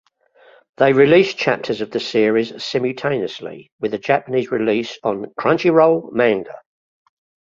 They released chapters of the series simultaneously with the Japanese release on "Crunchyroll Manga".